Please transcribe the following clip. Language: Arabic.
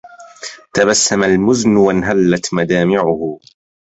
تبسم المزن وانهلت مدامعه